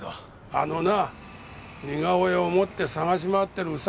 あのな似顔絵を持って捜し回ってるうさん